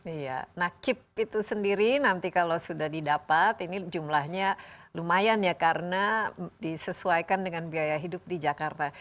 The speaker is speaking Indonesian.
iya nah kip itu sendiri nanti kalau sudah didapat ini jumlahnya lumayan ya karena disesuaikan dengan biaya hidup di jakarta